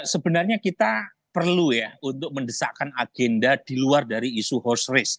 sebenarnya kita perlu ya untuk mendesakkan agenda di luar dari isu host risk